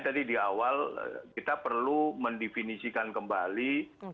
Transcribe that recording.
jadi di awal kita perlu mendefinisikan kembali